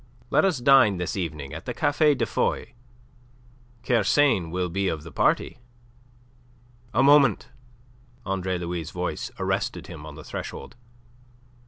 Let us dine this evening at the Café de Foy. Kersain will be of the party." "A moment!" Andre Louis' voice arrested him on the threshold.